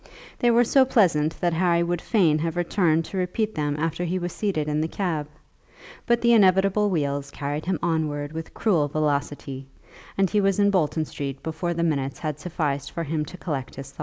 They were so pleasant that Harry would fain have returned to repeat them after he was seated in his cab; but the inevitable wheels carried him onwards with cruel velocity, and he was in Bolton Street before the minutes had sufficed for him to collect his thoughts.